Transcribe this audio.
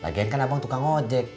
lagi kan abang tukang ojek